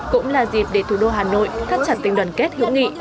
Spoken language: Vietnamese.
cũng là dịp để thủ đô hà nội thắt chặt tình đoàn kết hữu nghị